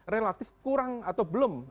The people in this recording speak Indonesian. relatif kurang atau belum